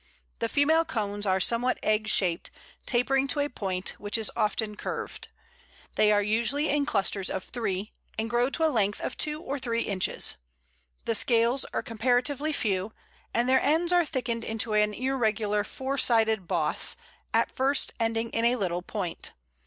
The female cones are somewhat egg shaped, tapering to a point, which is often curved. They are usually in clusters of three, and grow to a length of two or three inches. The scales are comparatively few, and their ends are thickened into an irregular four sided boss, at first ending in a little point.